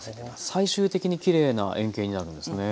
最終的にきれいな円形になるんですね。